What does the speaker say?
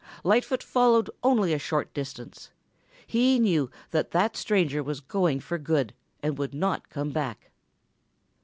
Lightfoot followed only a short distance. He knew that that stranger was going for good and would not come back.